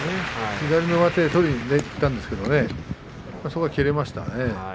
左の上手を取りにいったんですけれどもそれが切れましたね。